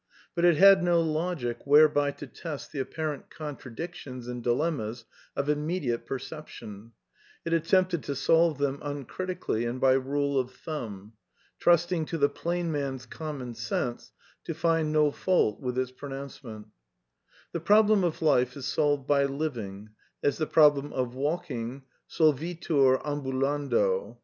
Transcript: But it had no logic whereby to test the apparent contradictions and dilemmas of immediate perception; it attempted to solve them un critically and by rule of thumb, trusting to the plain man's common sense to find no fault with its pronouncement: The problem of Life is solved by living, as the problem of walking solvitur ambulanda.